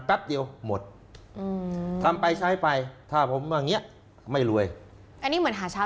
แป๊บเดียวหมดอืมทำไปใช้ไปถ้าผมว่าอย่างเงี้ยไม่รวยอันนี้เหมือนหาเช้า